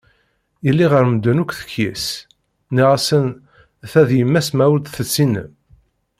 Yelli ɣer medden akk tekyes, nniɣ-asen ta d yemma-s ma ur tt-tessinem.